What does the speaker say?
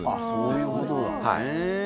そういうことなんだね。